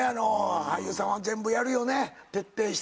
俳優さんは全部やるよね徹底して。